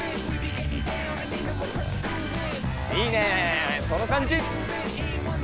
いいねその感じ！